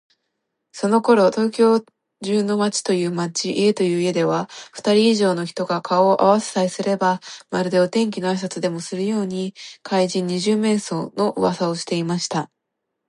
そのころ、東京中の町という町、家という家では、ふたり以上の人が顔をあわせさえすれば、まるでお天気のあいさつでもするように、怪人「二十面相」のうわさをしていました。